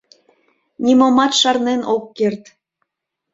Нимомат шарнен ок керт...